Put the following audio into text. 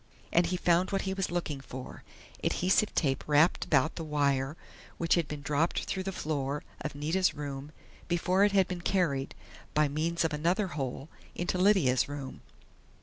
And he found what he was looking for adhesive tape wrapped about the wire which had been dropped through the floor of Nita's room before it had been carried, by means of another hole, into Lydia's room.